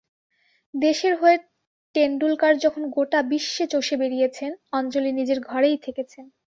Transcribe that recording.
দেশের হয়ে টেন্ডুলকার যখন গোটা বিশ্বে চষে বেড়িয়েছেন, অঞ্জলি নিজের ঘরেই থেকেছেন।